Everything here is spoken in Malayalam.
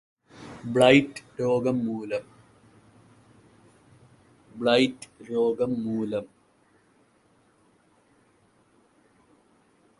ബ്ലൈറ്റ് രോഗം മൂലം